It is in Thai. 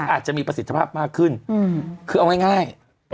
อาจจะมีประสิทธิภาพมากขึ้นคือเอาง่าย